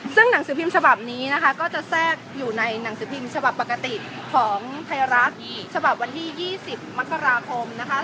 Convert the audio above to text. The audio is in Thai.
ซึ่งหนังสือพิมพ์ฉบับนี้นะคะก็จะแทรกอยู่ในหนังสือพิมพ์ฉบับปกติของไทยรัฐฉบับวันที่๒๐มกราคมนะคะ